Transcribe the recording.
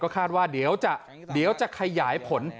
คาดว่าเดี๋ยวจะขยายผล